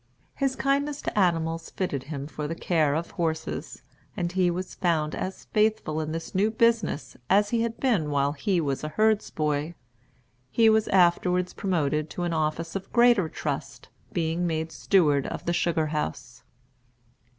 His kindness to animals fitted him for the care of horses, and he was found as faithful in this new business as he had been while he was herds boy. He was afterward promoted to an office of greater trust, being made steward of the sugar house.